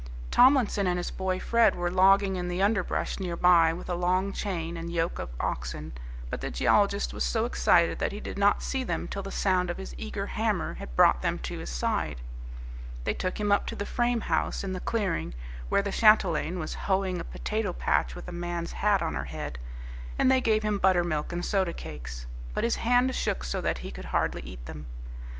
Tomlinson and his boy Fred were logging in the underbrush near by with a long chain and yoke of oxen, but the geologist was so excited that he did not see them till the sound of his eager hammer had brought them to his side. They took him up to the frame house in the clearing, where the chatelaine was hoeing a potato patch with a man's hat on her head, and they gave him buttermilk and soda cakes, but his hand shook so that he could hardly eat them.